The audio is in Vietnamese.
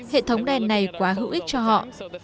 hệ thống đèn này quá hữu ích cho họ